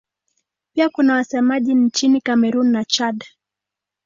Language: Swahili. Pia kuna wasemaji nchini Kamerun na Chad.